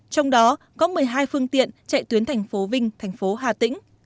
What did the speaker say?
trong đó có một mươi hai phương tiện chạy tuyến thành phố vinh thành phố hà tĩnh